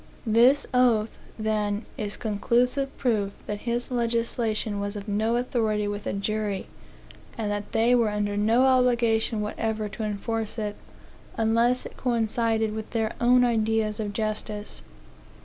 This oath, then, is conclusive proof that his legislation was of no authority with a jury, and that they were under no obligation whatever to enforce it, unless it coincided with their own ideas of justice.